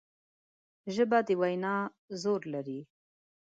ژبه د وینا زور لري